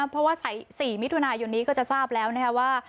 เพราะว่า๔มิถุนายนนี้ก็จะทราบแล้วนะครับว่า